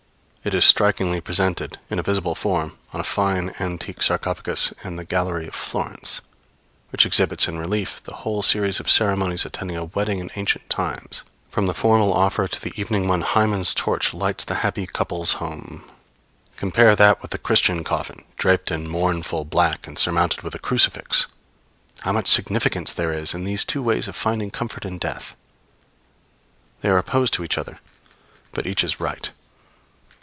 It is strikingly presented in a visible form on a fine antique sarcophagus in the gallery of Florence, which exhibits, in relief, the whole series of ceremonies attending a wedding in ancient times, from the formal offer to the evening when Hymen's torch lights the happy couple home. Compare with that the Christian coffin, draped in mournful black and surmounted with a crucifix! How much significance there is in these two ways of finding comfort in death. They are opposed to each other, but each is right.